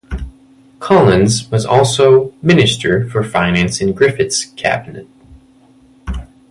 Collins was also Minister for Finance in Griffith's cabinet.